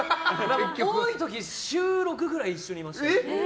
多い時、週６ぐらい一緒にいました。